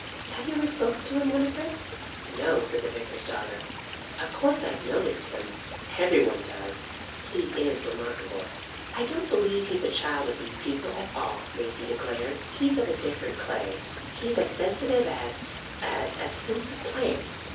Have you ever spoken to him, Winifred?" "No," said the vicar's daughter. "Of course I've noticed him. Every one does he is remarkable." "I don't believe he's a child of these people at all," Maisie declared. "He's of a different clay. He's as sensitive as as a sensitive plant.